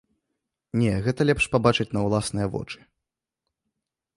Не, гэта лепш пабачыць на ўласныя вочы.